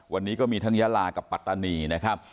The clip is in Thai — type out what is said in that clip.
วันนี้ก็มีทั้งยาลากับปัตตานีนะครับ